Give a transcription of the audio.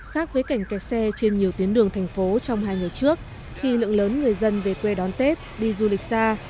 khác với cảnh kẹt xe trên nhiều tuyến đường thành phố trong hai ngày trước khi lượng lớn người dân về quê đón tết đi du lịch xa